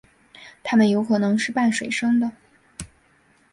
它们有可能是半水生的。